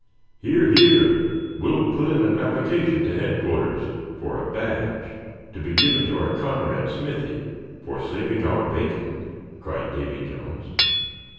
"Hear! hear! we'll put in an application to Headquarters for a badge to be given to our comrade Smithy for saving our bacon!" cried Davy Jones.